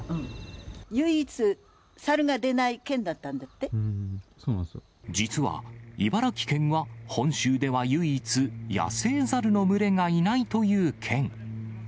唯一、実は、茨城県は本州では唯一、野生猿の群れがいないという県。